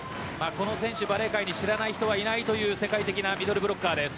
この選手、バレー界で知らない人はいないという世界的なミドルブロッカーです。